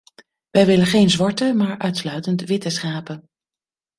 Wij willen geen zwarte, maar uitsluitend witte schapen.